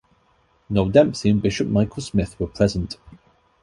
Noel Dempsey and Bishop Micheal Smith were present.